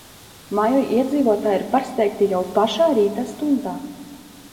Māju iedzīvotāji ir pārsteigti jau pašā rīta stundā.